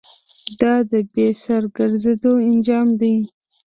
دا د بې سره گرځېدو انجام دی.